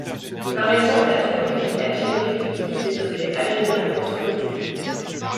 Par exemple, la topologie algébrique utilise des objets algébriques pour son étude.